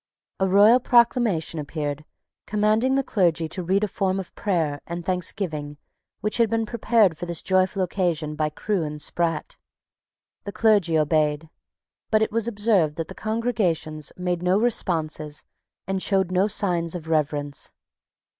A royal proclamation appeared commanding the clergy to read a form of prayer and thanksgiving which had been prepared for this joyful occasion by Crewe and Sprat. The clergy obeyed: but it was observed that the congregations made no responses and showed no signs of reverence.